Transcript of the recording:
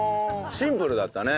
シンプルだったね。